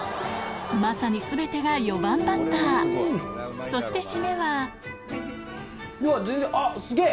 まさに全てが４番バッターそして締めはうわっ全然あっスゲェ！